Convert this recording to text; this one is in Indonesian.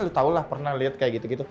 lu tau lah pernah liat kayak gitu gitu